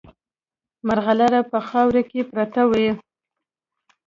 مرغلره په خاورو کې پرته وي.